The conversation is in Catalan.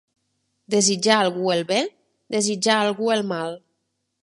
Desitjar a algú el bé, desitjar a algú el mal